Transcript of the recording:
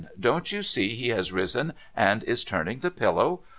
Uon't you see he has risen, and is turning the pillow